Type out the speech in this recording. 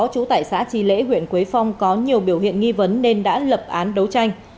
trú tại xã tri lễ huyện quế phong có nhiều biểu hiện nghi vấn nên đã lập án đấu tranh